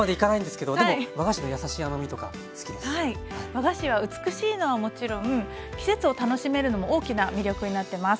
和菓子は美しいのはもちろん季節を楽しめるのも大きな魅力になってます。